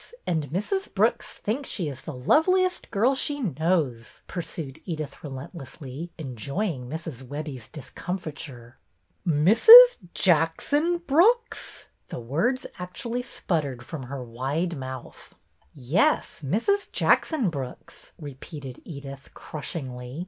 And Mrs. Brooks thinks she is the loveliest girl she knows," pursued Edyth, relent lessly, enjoying Mrs. Webbie's discomfiture. " Mrs. Jackson Brooks? " The words actually sputtered from her wide mouth. " Yes, Mrs. Jackson Brooks," repeated Edyth, crushingly.